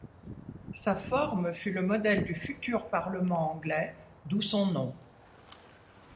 Sa forme fut le modèle du futur Parlement anglais, d’où son nom.